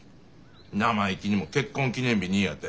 生意気にも結婚記念日にやて。